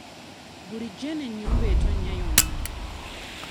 Bulijjo eno ennyumba etonnya yonna?